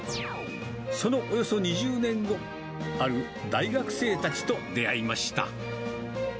そのおよそ２０年後、ある大学生たちと出会いました。